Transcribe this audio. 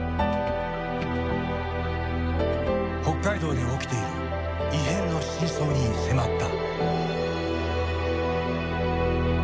北海道で起きている異変の真相に迫った。